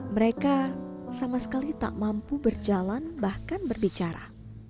mereka sama sekali tak mampu berjalan bahkan berbicara